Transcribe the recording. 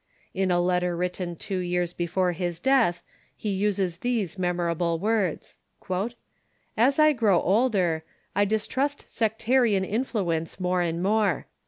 In a letter written two years before his death he uses these mem orable words: "As I grow older ... I distrust sectarian in fluence more and more.